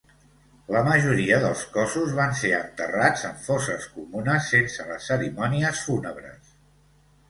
La majoria dels cossos van ser enterrats en fosses comunes sense les cerimònies fúnebres.